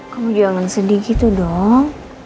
kamu jangan sedih gitu dong